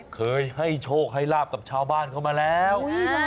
เคยให้โชคให้ลาบกับชาวบ้านเข้ามาแล้ว